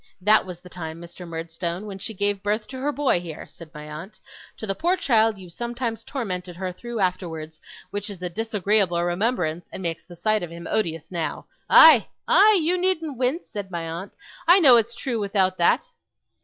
That was the time, Mr. Murdstone, when she gave birth to her boy here,' said my aunt; 'to the poor child you sometimes tormented her through afterwards, which is a disagreeable remembrance and makes the sight of him odious now. Aye, aye! you needn't wince!' said my aunt. 'I know it's true without that.